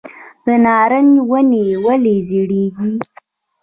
د نارنج ونې ولې ژیړیږي؟